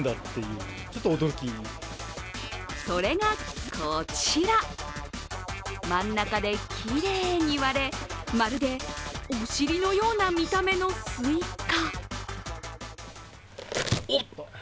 それがこちら、真ん中できれいに割れ、まるでおしりのような見た目のスイカ。